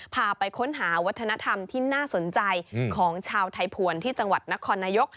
พาไปค้นหาวัฒนธรรมที่น่าสนใจของชาวไทยภวรที่จังหวัดนครนายก